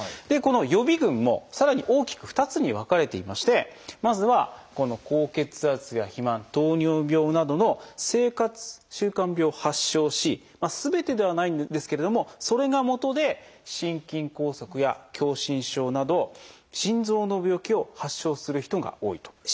でこの予備群もさらに大きく２つに分かれていましてまずはこの高血圧や肥満糖尿病などの生活習慣病を発症しまあすべてではないんですけれどもそれがもとで心筋梗塞や狭心症など心臓の病気を発症する人が多いと。